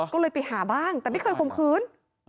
ก็เลยไปหาบ้างแต่ไม่เคยข่มขืน